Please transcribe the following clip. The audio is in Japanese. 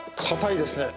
硬いです。